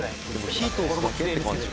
火通すだけって感じか。